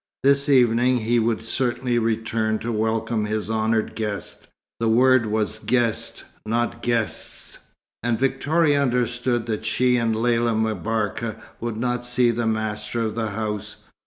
This evening he would certainly return to welcome his honoured guest. The word was "guest," not "guests," and Victoria understood that she and Lella M'Barka would not see the master of the house.